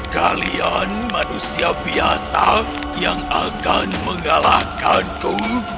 kalian manusia biasa yang akan mengalahkanku